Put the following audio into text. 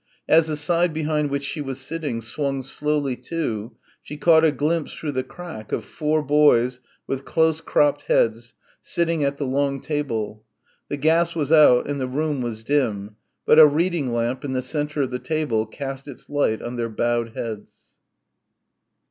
As the side behind which she was sitting swung slowly to, she caught a glimpse, through the crack, of four boys with close cropped heads, sitting at the long table. The gas was out and the room was dim, but a reading lamp in the centre of the table cast its light on their bowed heads.